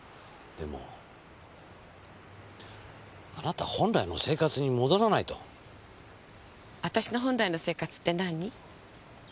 でもあなた本来の生活に戻らないと。あたしの本来の生活って何？